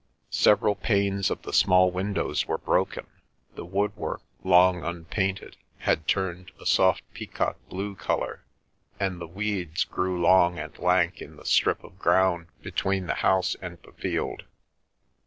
Several panes of the small windows were broken, the woodwork, long unpainted, had turned a soft peacock blue colour, and the weeds grew long and lank in the strip of ground between the house and the field.